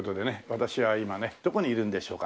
私は今ねどこにいるんでしょうか？